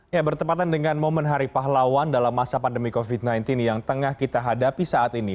ya bertepatan dengan momen hari pahlawan dalam masa pandemi covid sembilan belas yang tengah kita hadapi saat ini